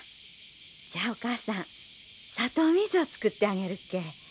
じゃあお母さん砂糖水を作ってあげるけえ。